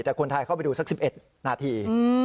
แต่คนไทยเข้าไปดูสัก๑๑นาที